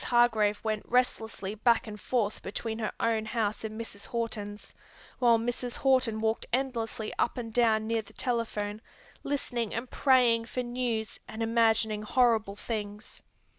Hargrave went restlessly back and forth between her own house and Mrs. Horton's, while Mrs. Horton walked endlessly up and down near the telephone, listening and praying for news and imagining horrible things.